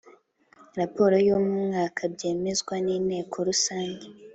Raporo y’umwaka byemezwa n’Inteko Rusange;